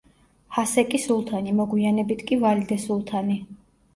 ჰასეკი სულთანი, მოგვიანებით კი ვალიდე სულთანი.